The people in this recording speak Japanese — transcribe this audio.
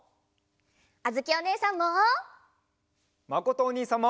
あづきおねえさんも。